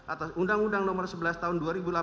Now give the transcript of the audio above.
atas undang undang nomor sebelas tahun dua ribu delapan belas